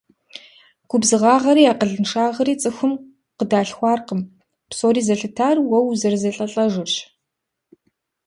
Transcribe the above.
Губзыгъагъри акъылыншагъри цӀыхум къыдалъхуркъым, псори зэлъытар уэ узэрызэлӀэлӀэжырщ.